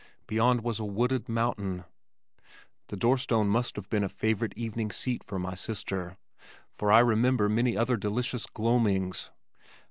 Beyond was a wooded mountain. This doorstone must have been a favorite evening seat for my sister, for I remember many other delicious gloamings.